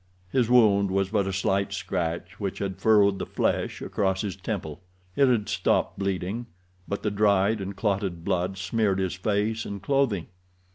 His wound was but a slight scratch, which had furrowed the flesh across his temple. It had stopped bleeding, but the dried and clotted blood smeared his face and clothing.